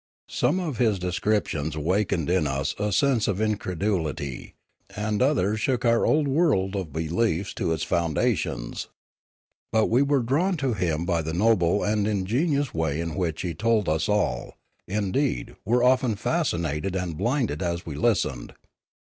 Some of his de Preface 293 scriptions awakened in us a sense of incredulity, and others shook our old world of beliefs to its foundations. But we were drawn to him by the noble and ingenuous way in which he told us all; indeed, were often fasci nated and blinded as we listened.